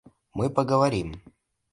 Мы поговорим.